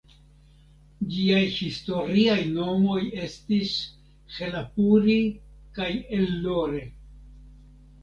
Ĝiaj historiaj nomoj estis "Helapuri" kaj "Ellore".